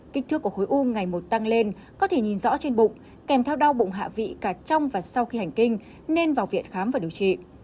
kích thước của khối u ngày một tăng lên có thể nhìn rõ trên bụng kèm theo đau bụng hạ vị cả trong và sau khi hành kinh nên vào viện khám và điều trị